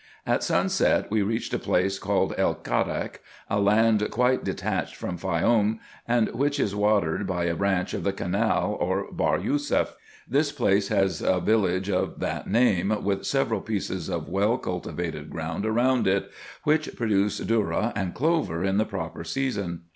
At sunset we reached a place called El Kharak, a land quite detached from Faioum, and which is watered by a branch of the canal or Bahr Yousef. This place has a village of that name, with several pieces of well cultivated ground around it, which produce dlpurra and clover in the proper season.